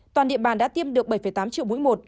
toàn địa bàn đã tiêm được bảy tám triệu mũi một